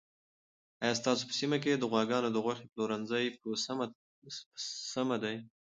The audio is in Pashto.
آیا ستاسو په سیمه کې د غواګانو د غوښې پلورنځي په سمه دي؟